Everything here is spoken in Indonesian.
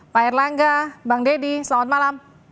pak erlangga bang deddy selamat malam